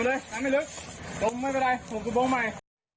ลงไปเลยน้ำไม่ลึกลงไม่เป็นไรหลวงพี่โบ้งใหม่